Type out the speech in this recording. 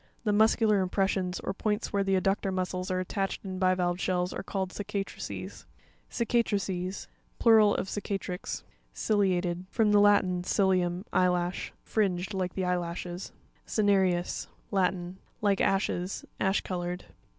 The "muscular impressions" or points where the adductor muscles are attached in bivalve shells are called cicatrices. Cica'trices.—Plural of cicatrix. Ci'u1atED.—From the Latin, cilium, eyelash. Fringed, like the eye lashes. Cine'rEvs.—Latin. Like ashes; ash colored.